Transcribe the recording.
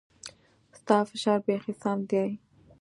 ستا فشار بيخي سم ديه.